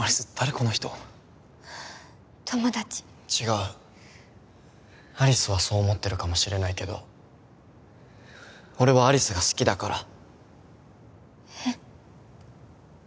この人友達違う有栖はそう思ってるかもしれないけど俺は有栖が好きだからえっ？